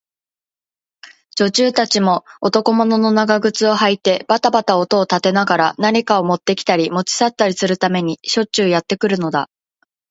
女中たちも、男物の長靴をはいてばたばた音を立てながら、何かをもってきたり、もち去ったりするためにしょっちゅうやってくるのだった。